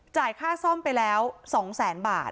จ่ายค่าซ่อมไปแล้ว๒๐๐๐๐๐บาท